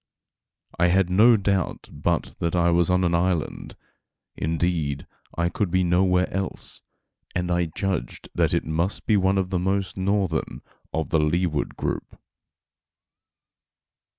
I had no doubt but that I was on an island, indeed I could be nowhere else, and I judged that it must be one of the most northern of the Leeward group.